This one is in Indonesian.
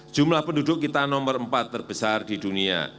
jumlah penduduk kita nomor empat terbesar di dunia